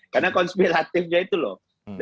yang konspiratifnya itu loh